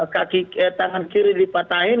kaki tangan kiri dipatahin